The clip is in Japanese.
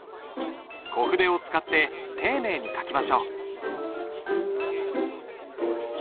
小筆を使って丁寧に書きましょう。